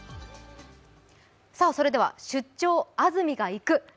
それでは「出張！安住が行く」